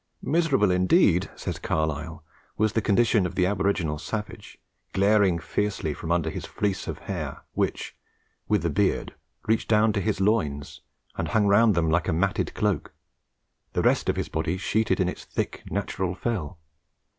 "Miserable indeed," says Carlyle, "was the condition of the aboriginal savage, glaring fiercely from under his fleece of hair, which with the beard reached down to his loins, and hung round them like a matted cloak; the rest of his body sheeted in its thick natural fell.